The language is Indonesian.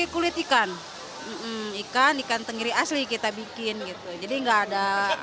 kulit ikan ikan ikan tenggiri asli kita bikin gitu jadi enggak ada apa apa sudah capok capoknya